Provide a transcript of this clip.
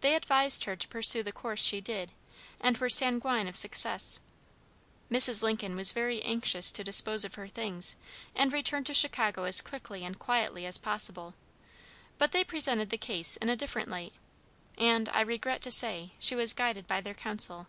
They advised her to pursue the course she did, and were sanguine of success. Mrs. Lincoln was very anxious to dispose of her things, and return to Chicago as quickly and quietly as possible; but they presented the case in a different light, and, I regret to say, she was guided by their counsel.